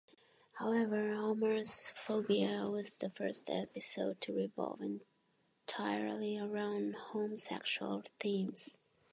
However, "Homer's Phobia" was the first episode to revolve entirely around homosexual themes.